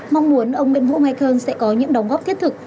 mong muốn ông nguyễn vũ mai khơn sẽ có những đóng góp thiết thực